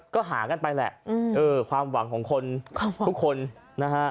ก็หากันไปแหละเออความหวังของคนทุกคนนะฮะ